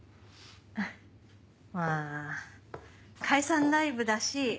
まぁ解散ライブだし。